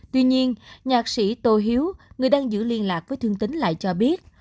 tuy nhiên nhạc sĩ tô hiếu người đang giữ liên lạc với thương tính lại cho biết